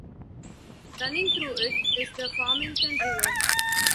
Running through it is the Farmington River.